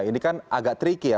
ini kan agak tricky ya